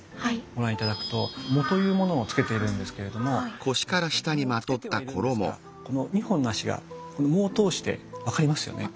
ご覧頂くと裳というものを着けているんですけれども裳を着けてはいるんですがこの２本の脚が裳を通して分かりますよね。